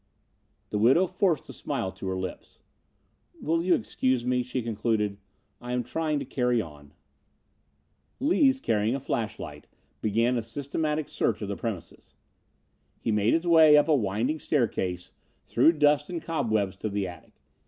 The widow forced a smile to her lips. "Will you excuse me?" she concluded. "I am trying to carry on." Lees, carrying a flashlight, began a systematic search of the premises. He made his way up a winding staircase, through dust and cobwebs to the attic.